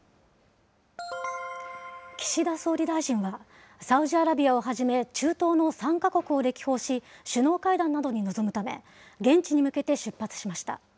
岸田総理大臣は、サウジアラビアをはじめ、中東の３か国を歴訪し、首脳会談などに臨むため、現地に向けて出発しました。